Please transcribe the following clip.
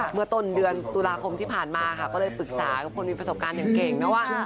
เมื่อต้นเดือนตุลาคมที่ผ่านมาค่ะก็เลยปรึกษากับคนมีประสบการณ์อย่างเก่งนะว่า